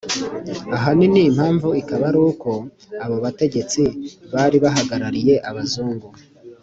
ahanini impamvu ikaba ari uko abo bategetsi bari bahagarariye abazungu,